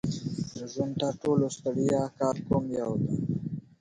ازادي راډیو د د بشري حقونو نقض په اړه د اقتصادي اغېزو ارزونه کړې.